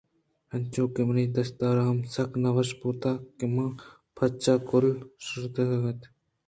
انچو کہ منی دشتار ہم سک نہ وش بوتگ کہ من پرچہ کُبل پرٛوشائینتگ اَت